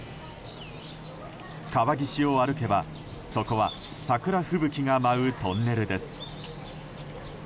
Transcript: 川岸を歩けば、そこは桜吹雪が舞うトンネルです。